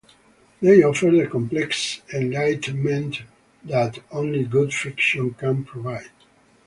They offer the complex enlightenment that only good fiction can provide.